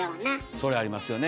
それありますよね。